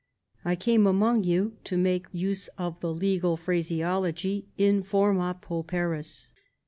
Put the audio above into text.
I came among you, to make use of the legal phraseology, in forma pauperis.